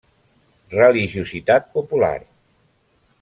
Religiositat popular.